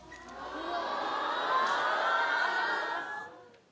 うわ！